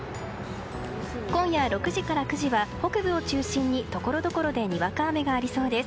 今夜６時から９時は北部を中心にところどころでにわか雨がありそうです。